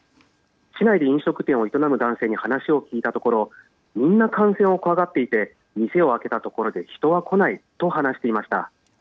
市内で飲食店を営む男性に話を聞いたところみんな感染を怖がっていて店を開けたところで人は来ないと話していました。